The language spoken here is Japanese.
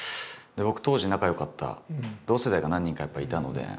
僕当時仲よかった同世代が何人かやっぱりいたので同級生が。